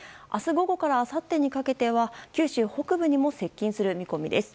午後からあさってにかけては九州北部にも接近する見込みです。